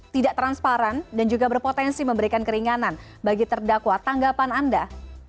tidak transparan dan juga berpotensi memberikan keringanan bagi terdakwa tanggapan anda